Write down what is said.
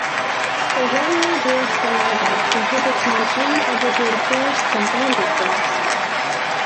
The Rungwe dwarf galago inhabits montane evergreen forests and bamboo forests.